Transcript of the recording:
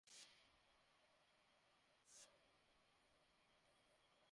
ব্যস রাবার ব্যান্ডের মতো তার পেশি টানো।